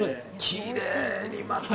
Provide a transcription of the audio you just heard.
きれいに、また。